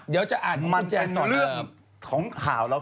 มันเป็นเรื่องของข่าวเรา